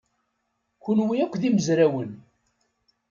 Kenwi akk d imezrawen.